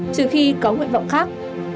trừ khi có nguyện vọng khác